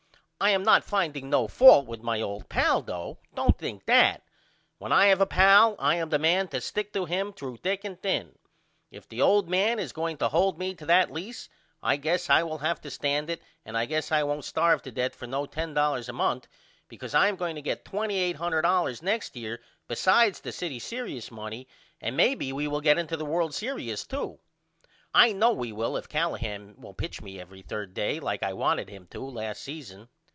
I am not finding no fault with my old pal though. Don't think that. When I have a pal I am the man to stick to him threw thick and thin. If the old man is going to hold me to that lease I guess I will have to stand it and I guess I won't starv to death for no $10 a month because I am going to get $2800 next year besides the city serious money and maybe we will get into the World Serious too. I know we will if Callahan will pitch me every 3d day like I wanted him to last season.